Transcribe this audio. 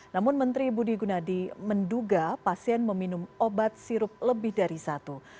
namun menteri budi gunadi menduga pasien meminum obat sirup lebih dari satu